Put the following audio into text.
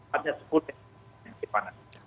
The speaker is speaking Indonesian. hanya sekutu yang dipanaskan